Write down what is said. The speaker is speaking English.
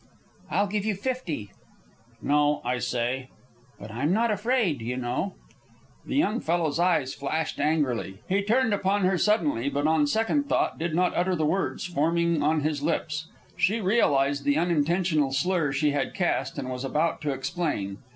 "I'll give you fifty." "No, I say." "But I'm not afraid, you know." The young fellow's eyes flashed angrily. He turned upon her suddenly, but on second thought did not utter the words forming on his lips. She realized the unintentional slur she had cast, and was about to explain.